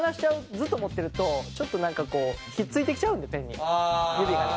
ずっと持ってるとちょっとなんかこうひっついてきちゃうんでペンに指がね。